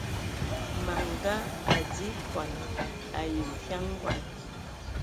Manga adi ekɔn ai nfian ngɔn.